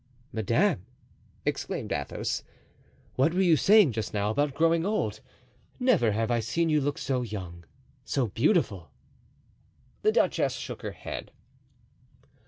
"Madame!" exclaimed Athos, "what were you saying just now about growing old? Never have I seen you look so young, so beautiful!" The duchess shook her head.